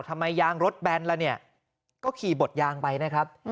ยางรถแบนล่ะเนี่ยก็ขี่บดยางไปนะครับ